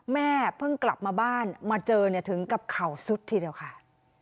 แม่เพิ่งกลับมาบ้านมาเจอเนี่ยถึงกับเข่าสุดทีเดียวค่ะ